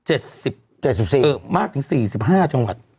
เออมากถึง๔๕จังหวัด